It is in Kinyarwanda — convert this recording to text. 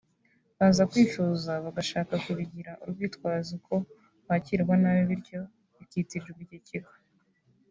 baza kwifuza bagashaka kubigira urwitwazo ko bakirwa nabi bityo bikitirirwa iki kigo